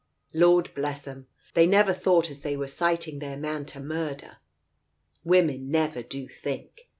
Lord bless them, they never thought as they were 'citing their man to murder. Women never do think.